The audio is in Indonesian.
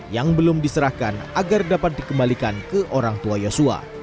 yang belum diserahkan agar dapat dikembalikan ke orang tua yosua